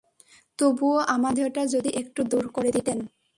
তবুও আমাদের সন্দেহটা যদি একটু দূর করে দিতেন?